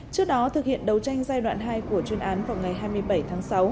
trước đó thực hiện đấu tranh giai đoạn hai của chuyên án vào ngày hai mươi bảy tháng sáu